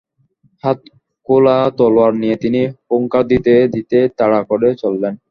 হাতে খোলা তলোয়ার নিয়ে তিনি হুঙ্কার দিতে দিতে তাড়া করে চললেন।